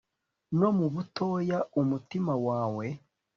no mu butoya umutima wawe